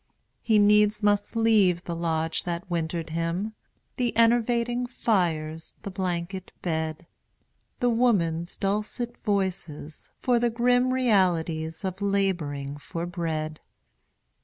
He needs must leave the lodge that wintered him, The enervating fires, the blanket bed The women's dulcet voices, for the grim Realities of labouring for bread.